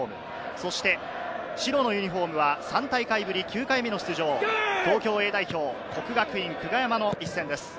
そして白のユニホームは３大会ぶり９回目の出場、東京Ａ代表・國學院久我山の一戦です。